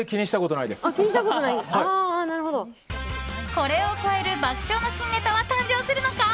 これを超える爆笑の新ネタは誕生するのか。